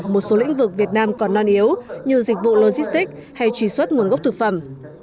một số lĩnh vực việt nam còn non yếu như dịch vụ logistics hay truy xuất nguồn gốc thực phẩm